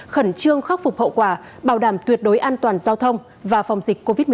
khẩn trương khắc phục hậu quả bảo đảm tuyệt đối an toàn giao thông và phòng dịch covid một mươi chín